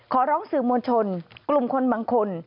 ขอร้องสื่อมวลชนกลุ่มคนบางคน